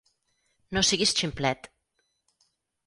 No siguis ximplet.